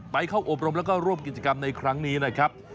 เข้าอบรมแล้วก็ร่วมกิจกรรมในครั้งนี้นะครับ